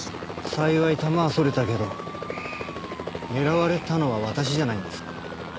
幸い弾はそれたけど狙われたのは私じゃないんですか？